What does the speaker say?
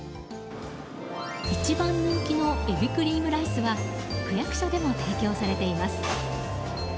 一番人気のえびクリームライスは区役所でも提供されています。